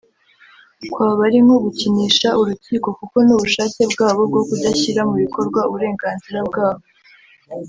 kwaba ari nko gukinisha urukiko kuko ni ubushake bwabo bwo kudashyira mu bikorwa uburenganzira bwabo